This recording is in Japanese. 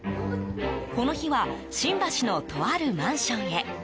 この日は、新橋のとあるマンションへ。